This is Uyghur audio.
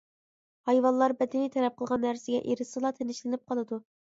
ھايۋانلار بەدىنى تەلەپ قىلغان نەرسىگە ئېرىشسىلا، تىنچلىنىپ قالىدۇ.